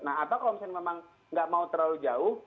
nah atau kalau misalnya memang nggak mau terlalu jauh